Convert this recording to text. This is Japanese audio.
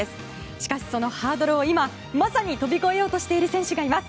しかし、そのハードルを今まさに飛び越えようとしている選手がいます。